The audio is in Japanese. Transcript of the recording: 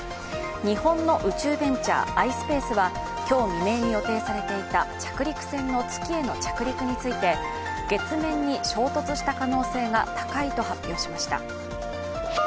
日本の宇宙ベンチャーｉｓｐａｃｅは今日未明に予定されたいた着陸船の月への着陸について月面に衝突した可能性が高いと発表しました。